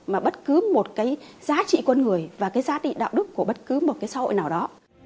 mà bất cứ một giá trị con người và giá trị đạo đức của bất cứ một xã hội nào đó